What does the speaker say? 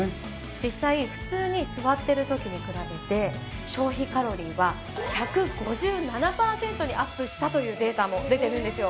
実際普通に座ってる時に比べて消費カロリーは１５７パーセントにアップしたというデータも出てるんですよ。